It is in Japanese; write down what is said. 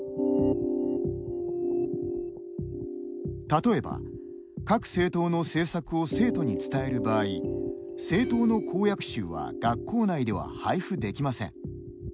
例えば、各政党の政策を生徒に伝える場合政党の公約集は学校内では配布できません。